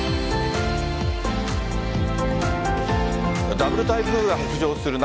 ダブル台風が北上する中